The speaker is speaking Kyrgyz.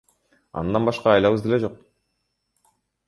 Андан башка айлабыз деле жок.